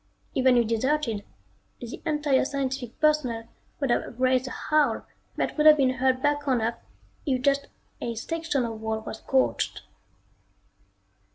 Even if deserted, the entire scientific personnel would have raised a howl that would have been heard back on Earth if just a section of wall was scorched.